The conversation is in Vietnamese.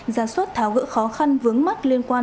ra soát tháo gỡ khó khăn vướng mắt liên quan